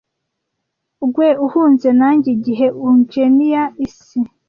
'Ggwe uhunze nanjye igihe ungenial isi,